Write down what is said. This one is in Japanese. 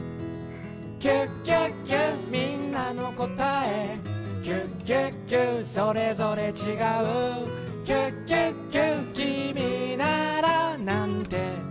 「キュキュキュみんなのこたえ」「キュキュキュそれぞれちがう」「キュキュキュきみならなんてこたえるの？」